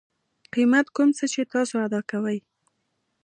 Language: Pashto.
قیمت کوم څه چې تاسو ادا کوئ